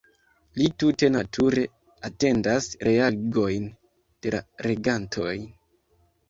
Li tute nature atendas reagojn de la legantoj.